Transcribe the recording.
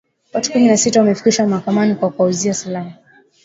Watu kumi na sita wamefikishwa mahakamani kwa kuwauzia silaha